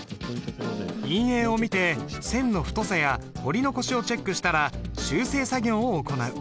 印影を見て線の太さや彫り残しをチェックしたら修正作業を行う。